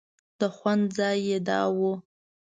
د خوند ځای یې دا و.